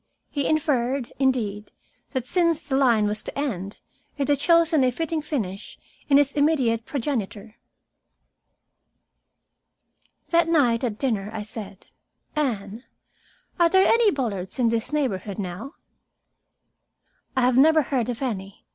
He inferred, indeed, that since the line was to end, it had chosen a fitting finish in his immediate progenitor. That night, at dinner, I said, "Anne, are there any Bullards in this neighborhood now?" "I have never heard of any.